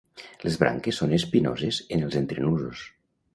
Les branques són espinoses en els entrenusos.